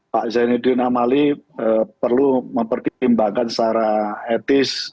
pak zainuddin amali perlu mempertimbangkan secara etis